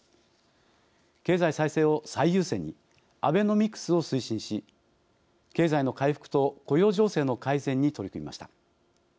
経済再生を最優先にアベノミクスを推進し経済の回復と雇用情勢の改善に取り組みました。